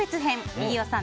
飯尾さん